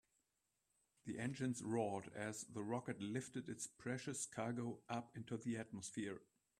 The engines roared as the rocket lifted its precious cargo up into the atmosphere.